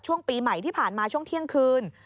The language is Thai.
ช่วงปีใหม่ที่ผ่านมาช่วงเที่ยงคืน